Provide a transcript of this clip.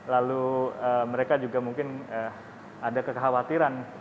lalu mereka juga mungkin ada kekhawatiran